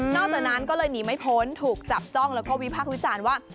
จากนั้นก็เลยหนีไม่พ้นถูกจับจ้องแล้วก็วิพากษ์วิจารณ์ว่า